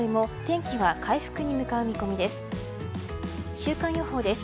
週間予報です。